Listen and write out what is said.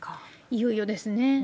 いよいよですね。